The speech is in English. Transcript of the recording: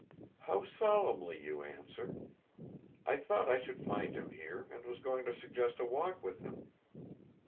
"How solemnly you answer. I thought I should find him here and was going to suggest a walk with him.